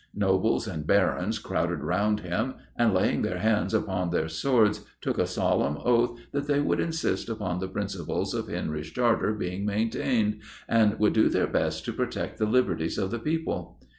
Nobles and Barons crowded round him, and, laying their hands upon their swords, took a solemn oath that they would insist upon the principles of Henry's Charter being maintained, and would do their best to protect the liberties of the people.